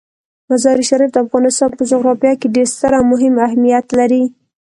مزارشریف د افغانستان په جغرافیه کې ډیر ستر او مهم اهمیت لري.